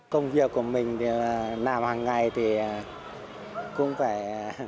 công việc của mình thì làm hàng ngày thì cũng phải